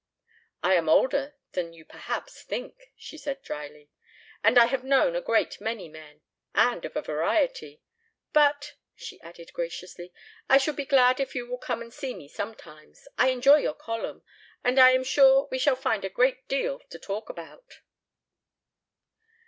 "I am older than you perhaps think," she said drily. "And I have known a great many men and of a variety! But," she added graciously, "I shall be glad if you will come and see me sometimes. I enjoy your column, and I am sure we shall find a great deal to talk about."